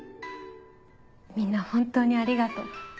みんな本当にありがとう。